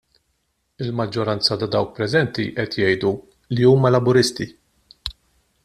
Il-maġġoranza ta' dawk preżenti qed jgħidu li huma Laburisti.